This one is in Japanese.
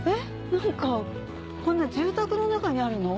何かこんな住宅の中にあるの？